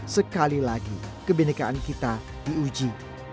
sekali lagi kebenekaan kita diuji